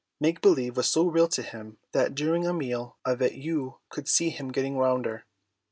Make believe was so real to him that during a meal of it you could see him getting rounder.